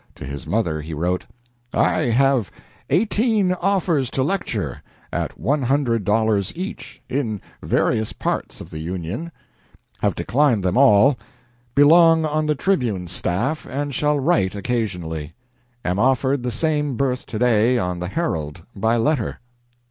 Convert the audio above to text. To his mother he wrote: "I have eighteen offers to lecture, at $100 each, in various parts of the Union have declined them all .... Belong on the "Tribune" staff and shall write occasionally. Am offered the same berth to day on the 'Herald,' by letter."